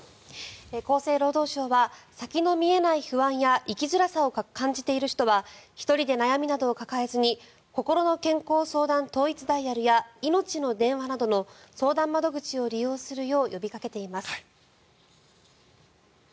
厚生労働省は先の見えない不安や生きづらさを感じている人は１人で悩みなどを抱えずにこころの健康相談統一ダイヤルやいのちの電話などの相談窓口を利用するよう呼びかけています。